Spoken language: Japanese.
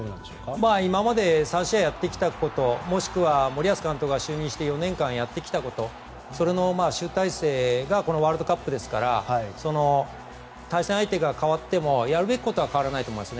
今まで３試合やってきたこともしくは森保監督が就任して４年間やってきたことの集大成がこのワールドカップですから対戦相手が変わってもやるべきことは変わらないと思います。